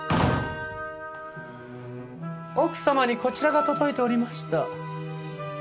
奥様にこちらが届いておりました。